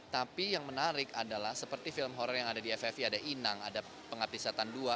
tapi yang menarik adalah seperti film horror yang ada di ffi ada inang ada pengabdi setan dua